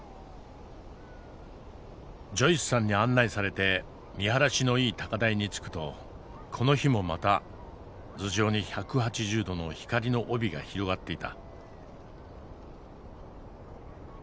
ジョイスさんに案内されて見晴らしのいい高台に着くとこの日もまた頭上に１８０度の光の帯が広がっていた。